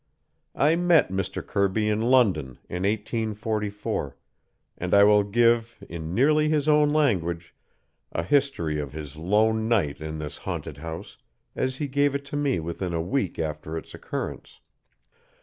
I met Mr. Kirby in London in 1844, and I will give, in nearly his own language, a history of his lone night in this haunted house, as he gave it to me within a week after its occurrence.